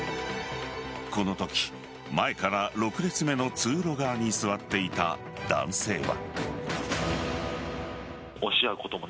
このとき、前から６列目の通路側に座っていた男性は。